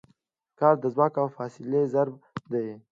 کار د ځواک او فاصلې ضرب دی.